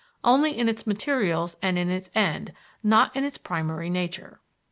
only in its materials and in its end, not in its primary nature.